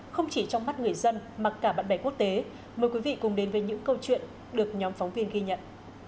không chỉ trong mắt người dân mà cả bạn bè quốc tế mời quý vị cùng đến với những câu chuyện được nhóm phóng viên ghi nhận